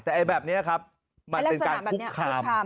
แต่แบบนี้ครับมันเป็นการคุกคาม